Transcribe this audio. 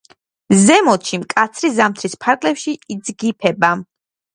ზემოთში მკაცრი ზამთრის ფარგლებში იძგიფება.